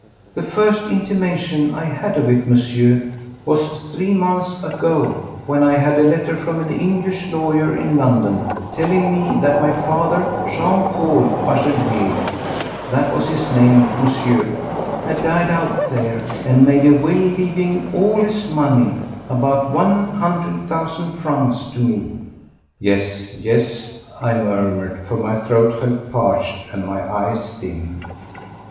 "The first intimation I had of it, Monsieur, was three months ago, when I had a letter from an English lawyer in London telling me that my father, Jean Paul Bachelier—that was his name, Monsieur—had died out there and made a will leaving all his money, about one hundred thousand francs, to me." "Yes, yes!" I murmured, for my throat felt parched and my eyes dim.